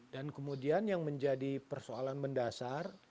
dan kemudian yang menjadi persoalan mendasar